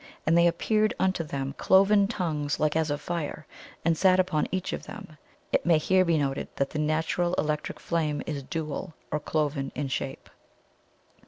And there appeared unto them CLOVEN TONGUES LIKE AS OF FIRE, and sat upon each of them.' It may here be noted that the natural electric flame is DUAL or 'cloven' in shape.